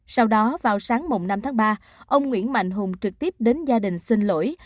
sau đó vào sáng năm tháng ba ông nguyễn mạnh hùng trực tiếp đến gia đình xin lỗi